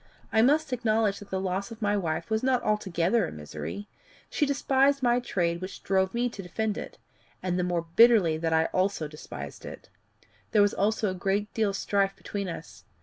I must acknowledge that the loss of my wife was not altogether a misery. She despised my trade, which drove me to defend it and the more bitterly that I also despised it. There was therefore a good deal of strife between us.